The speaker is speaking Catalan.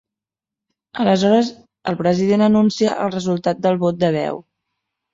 Aleshores, el president anuncia el resultat del vot de veu.